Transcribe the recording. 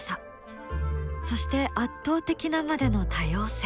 そして圧倒的なまでの多様性。